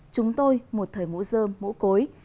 chúng tôi một thời mũ dơ mũ cối